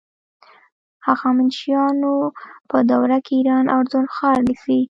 هخامنشیانو په دوره کې ایران اردن ښار نیسي.